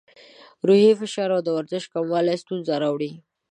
روحي فشار او د ورزش کموالی ستونزې راوړي.